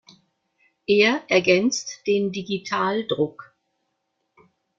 Er ergänzt den Digitaldruck.